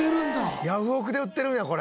ヤフオクで売ってるんやこれ。